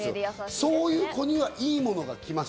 そういう子には、いいものが来ます。